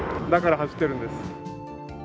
だから走ってるんです。